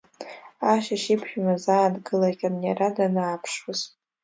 Ашьыжь иԥшәма заа дгылахьан, иара данааԥшуаз.